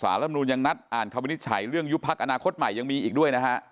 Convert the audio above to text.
รับนูนยังนัดอ่านคำวินิจฉัยเรื่องยุบพักอนาคตใหม่ยังมีอีกด้วยนะฮะ